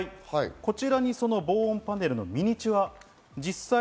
こちらに防音パネルのミニチュア。